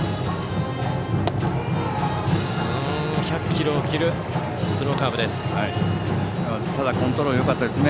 １００キロを切るスローカーブです。